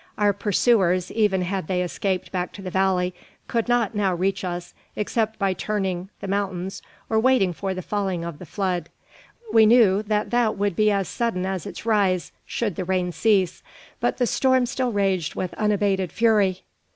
Our pursuers, even had they escaped back to the valley, could not now reach us, except by turning the mountains or waiting for the falling of the flood. We knew that that would be as sudden as its rise, should the rain cease; but the storm still raged with unabated fury.